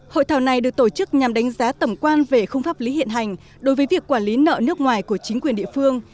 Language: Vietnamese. hội thảo này được tổ chức nhằm đánh giá tầm quan về khung pháp lý hiện hành đối với việc quản lý nợ nước ngoài của chính quyền địa phương